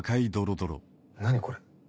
何これ。